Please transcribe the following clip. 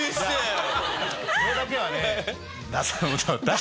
これだけはね。